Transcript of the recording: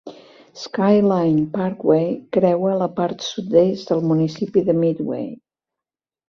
Skyline Parkway creua la part sud-est del municipi de Midway.